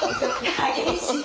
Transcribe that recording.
激しい！